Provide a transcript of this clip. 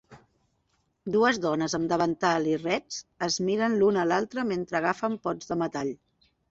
Dues dones amb davantal i rets es miren l'una a l'altra mentre agafen pots de metall.